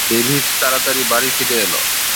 David তাড়াতাড়ি বাড়ি ফিরে এল।